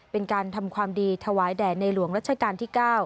เป็นการทำความดีถวายแด่ในหลวงรัชกาลที่๙